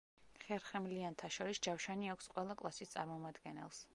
ხერხემლიანთა შორის ჯავშანი აქვს ყველა კლასის წარმომადგენელს.